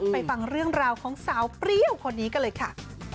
ฟังเรื่องราวของสาวเปรี้ยวคนนี้กันเลยค่ะ